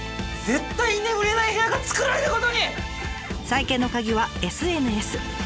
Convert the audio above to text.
再建のカギはＳＮＳ。